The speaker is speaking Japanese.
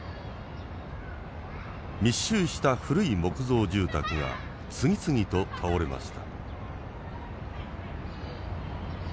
密集した古い木造住宅が次々と倒れました。